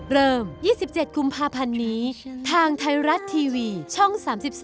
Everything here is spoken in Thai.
เริ่ม๒๗กุมภาพันธ์นี้ทางไทยรัฐทีวีช่อง๓๒